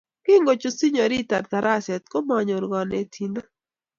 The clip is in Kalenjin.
Kingochut Sinyorita taraset komanyor kanetindet